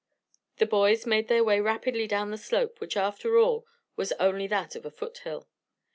The boys made their way rapidly down the slope, which after all was only that of a foot hill.